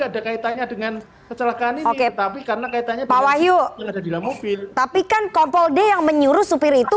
ada kaitannya dengan sejauh biaya tapi karena ketanya tapi kan kompo yang menyuruh supir itu